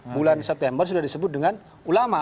bulan september sudah disebut dengan ulama